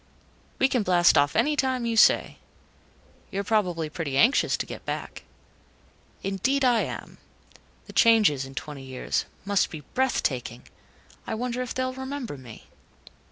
"We can blast off anytime you say. You're probably pretty anxious to get back." "Indeed, I am. The changes, in twenty years must be breathtaking. I wonder if they'll remember me?"